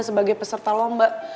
sebagai peserta lomba